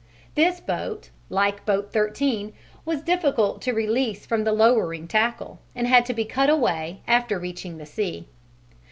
This boat, like boat 13, was difficult to release from the lowering tackle, and had to be cut away after reaching the sea.